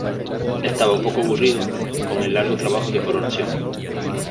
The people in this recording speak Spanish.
Estaba un poco aburrido con el largo trabajo de "Coronación".